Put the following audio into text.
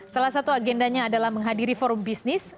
salah satu agendanya adalah menghadiri forum bisnis